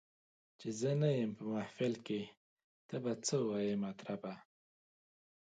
چي زه نه یم په محفل کي ته به څه وایې مطربه